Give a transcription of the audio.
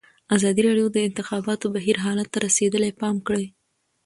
ازادي راډیو د د انتخاباتو بهیر حالت ته رسېدلي پام کړی.